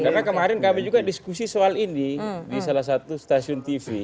karena kemarin kami juga diskusi soal ini di salah satu stasiun tv